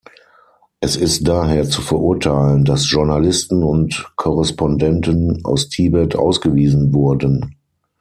Es ist daher zu verurteilen, dass Journalisten und Korrespondenten aus Tibet ausgewiesen wurden.